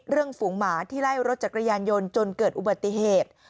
ฝูงหมาที่ไล่รถจักรยานยนต์จนเกิดอุบัติเหตุ